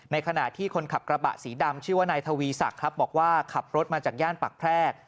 ขณะที่คนขับกระบะสีดำชื่อว่านายทวีศักดิ์ครับบอกว่าขับรถมาจากย่านปากแพรก